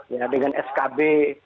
ya dengan skb